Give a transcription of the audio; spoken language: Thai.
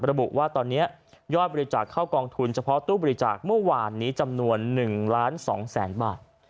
ระบุว่าตอนนี้ยอดบริจาคเข้ากองทุนเฉพาะตู้บริจาคเมื่อวานนี้จำนวน๑ล้าน๒แสนบาท